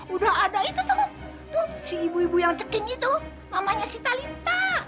udah ada itu tuh tuh si ibu ibu yang ceking itu mamanya si talitha